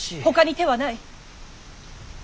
ほかに手はない。